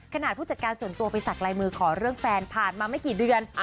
ผู้จัดการส่วนตัวไปสักลายมือขอเรื่องแฟนผ่านมาไม่กี่เดือน